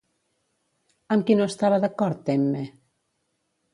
Amb qui no estava d'acord Temme?